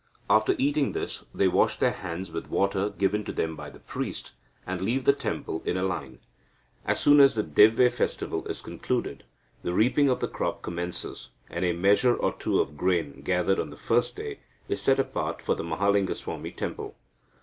After eating this, they wash their hands with water given to them by the priest, and leave the temple in a line. As soon as the Devve festival is concluded, the reaping of the crop commences, and a measure or two of grain gathered on the first day is set apart for the Mahalingaswami temple.